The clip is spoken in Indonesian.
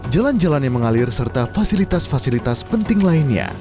jalan jalan yang mengalir serta fasilitas fasilitas penting lainnya